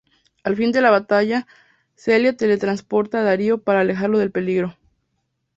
Al fin de la batalla, Celia teletransporta a Darío para alejarlo del peligro.